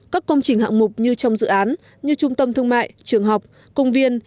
các công trình hạng mục như trong dự án như trung tâm thương mại trường học công viên